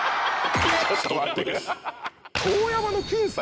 ちょっと待って！